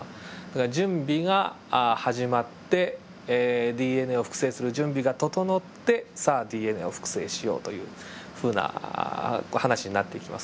だから準備が始まってＤＮＡを複製する準備が整ってさあＤＮＡを複製しようというふうな話になってきますので。